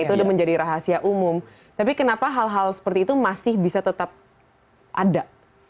itu sudah menjadi rahasia umum tapi kenapa hal hal seperti itu masih bisa tetap ada